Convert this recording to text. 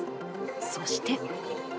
そして。